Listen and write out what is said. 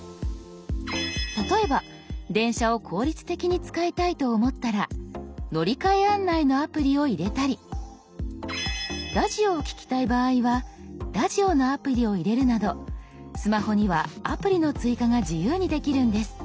例えば電車を効率的に使いたいと思ったら乗換案内のアプリを入れたりラジオを聞きたい場合はラジオのアプリを入れるなどスマホにはアプリの追加が自由にできるんです。